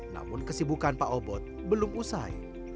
namun kesibukan pak obot belum usai